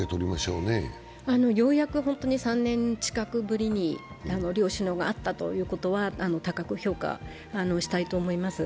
ようやく３年近くぶりに両首脳が会ったということは高く評価したいと思います。